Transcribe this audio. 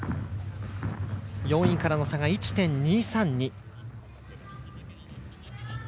４位からの差が１．２３２。